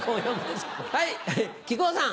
はい木久扇さん。